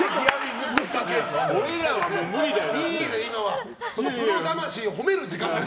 俺らは無理だよ。